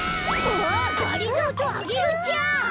あっがりぞーとアゲルちゃん！